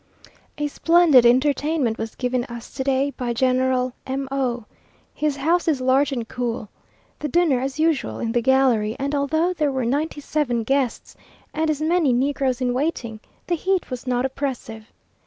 A splendid entertainment was given us to day by General M o. His house is large and cool; the dinner, as usual, in the gallery; and although there were ninety seven guests, and as many negroes in waiting, the heat was not oppressive.